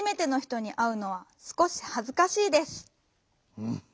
うん。